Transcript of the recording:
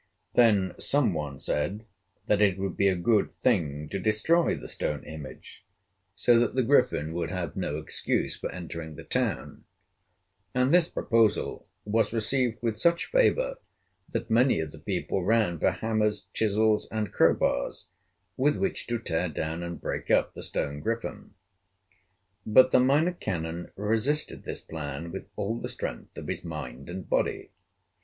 Then some one said that it would be a good thing to destroy the stone image so that the Griffin would have no excuse for entering the town; and this proposal was received with such favor that many of the people ran for hammers, chisels, and crowbars, with which to tear down and break up the stone griffin. But the Minor Canon resisted this plan with all the strength of his mind and body.